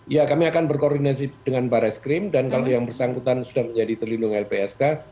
ya kami akan berkoordinasi dengan baris krim dan kalau yang bersangkutan sudah menjadi terlindung lpsk